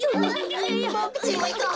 ぼくちんもいこう。